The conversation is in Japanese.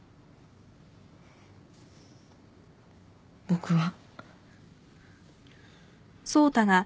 僕は。